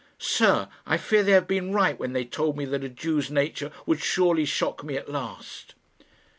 Sir, I fear they have been right when they told me that a Jew's nature would surely shock me at last."